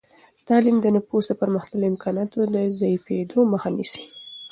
تعلیم د نفوس د پرمختللو امکاناتو د ضعیفېدو مخه نیسي.